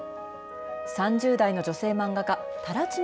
３０代の女性漫画家たらちね